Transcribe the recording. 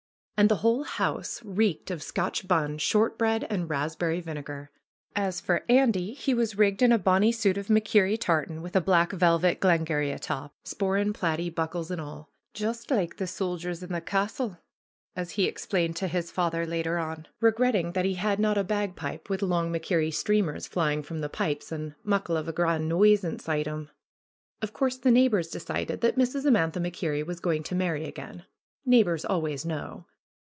And the whole house reeked of Scotch bun, short bread and raspberry vinegar. As for Andy, he was rigged in a bonnie suit of Mac Kerrie tartan, with a black velvet Glengarry atop; sporan, plaidie, buckles and all. ^'Just like the soldiers in the castle," as he explained to his father later on, regretting that he had not a bagpipe, with long Mac ANDY'S VISION S5 Kerrie streamers flying from the pipes and ^^muckle of a graund noise inside 'em." Of course the neighbors decided that Mrs. Amantha MacKerrie was going to marry again. Neighbors always know.